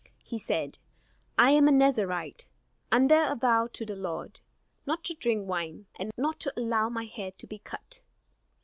He said: "I am a Nazarite, under a vow to the Lord, not to drink wine, and not to allow my hair to be cut.